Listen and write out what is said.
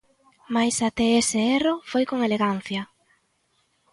Mais até ese erro foi con elegancia.